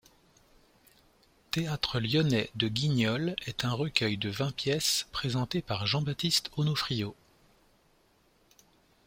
Théâtre lyonnais de Guignol est un recueil de vingt pièces présentées par Jean-Baptiste Onofrio.